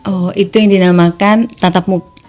oh itu yang dinamakan tatap muka